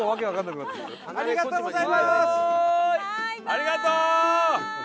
ありがとう！